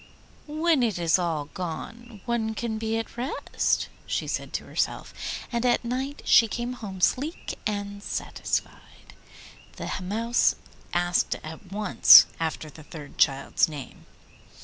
'When it is all gone one can be at rest,' she said to herself, and at night she came home sleek and satisfied. The Mouse asked at once after the third child's name.